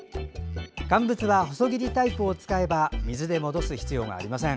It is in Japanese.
乾物は細切りタイプを使えば水で戻す必要がありません。